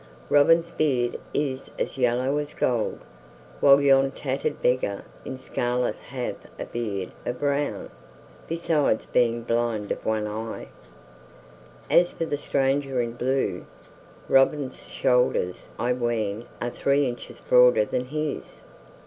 Robin's beard is as yellow as gold, while yon tattered beggar in scarlet hath a beard of brown, besides being blind of one eye. As for the stranger in blue, Robin's shoulders, I ween, are three inches broader than his."